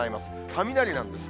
雷なんです。